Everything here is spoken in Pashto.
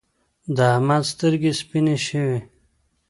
د احمد سترګې سپينې شوې.